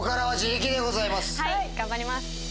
はい頑張ります。